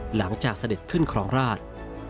หลังจากเสด็จขึ้นครองราช